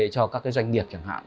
cho các cái doanh nghiệp chẳng hạn